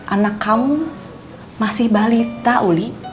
anak kaum masih balita uli